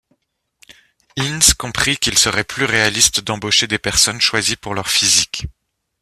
Ince comprit qu'il serait plus réaliste d'embaucher des personnes choisies pour leur physique.